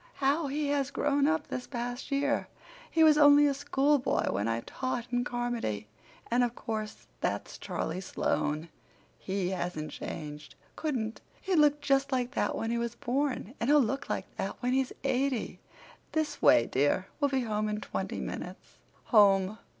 How he has grown up this past year! He was only a schoolboy when I taught in Carmody. And of course that's Charlie Sloane. He hasn't changed—couldn't! He looked just like that when he was born, and he'll look like that when he's eighty. This way, dear. We'll be home in twenty minutes." "Home!"